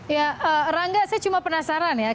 ya rangga saya cuma penasaran ya